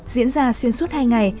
diễn ra xuyên suốt hai ngày